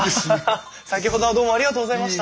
先ほどはどうもありがとうございました。